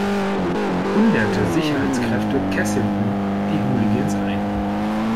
Hunderte Sicherheitskräfte kesselten die Hooligans ein.